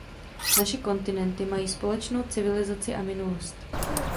Naše kontinenty mají společnou civilizaci a minulost.